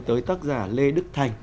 tới tác giả lê đức thành